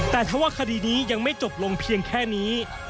แต่ถ้าว่าคดีนี้ยังไม่จบลงเพียงแค่นี้